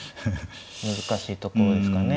難しいところですかね。